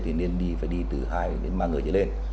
thì nên đi từ hai đến ba người trở lên